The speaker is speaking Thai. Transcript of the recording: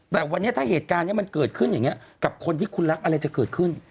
แต่วันนี้ถ้าเหตุการณ์นี้มันเกิดขึ้นอย่างนี้กับคนที่คุณรักอะไรจะเกิดขึ้น